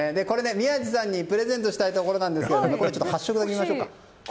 宮司さんにプレゼントしたいところなんですけど発色だけ見ましょうか。